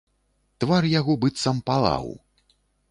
Твар яго быццам палаў.